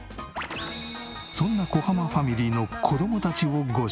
そんな小濱ファミリーの子供たちをご紹介。